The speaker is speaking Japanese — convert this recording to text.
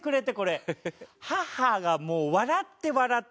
母がもう笑って笑って。